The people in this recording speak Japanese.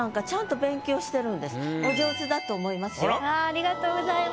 ありがとうございます。